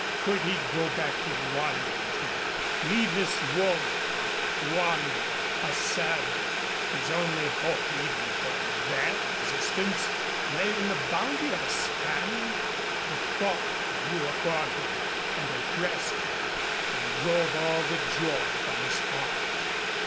Could he go back to London to leave this woman a wanderer, a servant, whose only hope even for a bare existence lay in the bounty of a Spaniard? The thought grew upon him and oppressed him and drove all the joy from his heart.